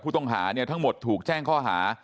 ผู้ต้องหาเนี่ยทั้งหมดถูกแจ้งข้อหา